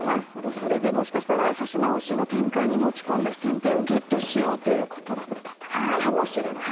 それでもしかしたら指し直しの展開に持ち込んで先手をゲットしようということだったかもしれないと。